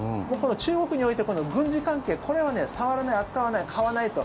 中国において、この軍事関係これは触らない、扱わない買わないと。